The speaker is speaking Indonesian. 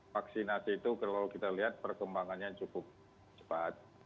vaksinasi itu kalau kita lihat perkembangannya cukup cepat